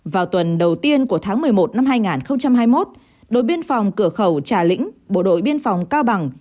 vào tuần đầu tiên của tháng một mươi một năm hai nghìn hai mươi một đội biên phòng cửa khẩu trà lĩnh bộ đội biên phòng cao bằng